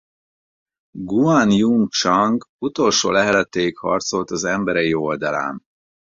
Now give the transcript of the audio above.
Guan Yun Chang utolsó leheletéig harcolt az emberei oldalán.